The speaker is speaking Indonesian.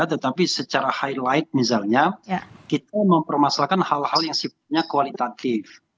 tetapi secara highlight misalnya kita mempermasalahkan hal hal yang sifatnya kualitatif